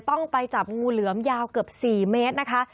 ต้องไปจับงูเหลือมยาวเกือบ๔เมตรนะคะ